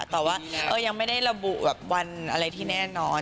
แต่ว่ายังไม่ได้ระบุแบบวันอะไรที่แน่นอน